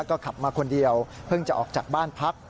ก็ขับมาคนเดียวเพิ่งจะออกจากบ้านพัก